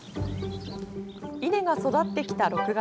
稲が育ってきた６月。